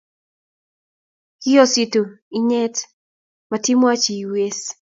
kiiyositu inyete matiimuchi iwise